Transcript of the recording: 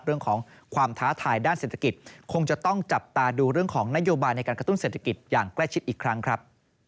เรื่องของความท้าทายด้านเศรษฐกิจคงจะต้องจับตาดูเรื่องของนโยบายในการกระตุ้นเศรษฐกิจอย่างใกล้ชิดอีกครั้งครับ